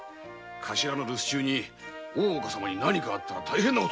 カシラの留守中大岡様に何かあったら大変だ。